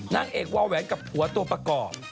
นางเอกวาวแหวนกับผัวตัวประกอบ